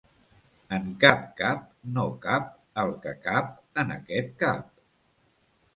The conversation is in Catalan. En cap cap no cap el que cap en aquest cap.